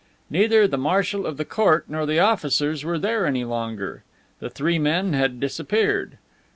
Neither the marshal of the court nor the officers were there any longer. The three men had disappeared.